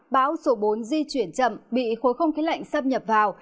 bão số bốn di chuyển chậm bị khối không khí lạnh xâm nhập vào